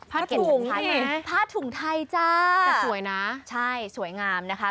ผ้าถุงนี่ผ้าถุงไทยจ้ะแต่สวยนะใช่สวยงามนะคะ